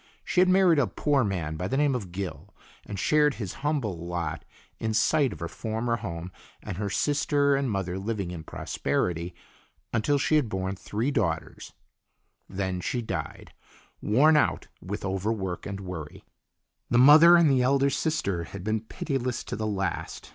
She had married a poor man by the name of Gill, and shared his humble lot in sight of her former home and her sister and mother living in prosperity, until she had borne three daughters; then she died, worn out with overwork and worry. The mother and the elder sister had been pitiless to the last.